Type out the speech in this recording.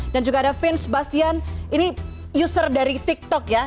dan juga ada vince sebastian ini user dari tiktok ya